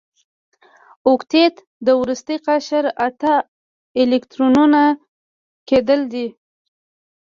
اوکتیت د وروستي قشر اته ال الکترونه کیدل دي.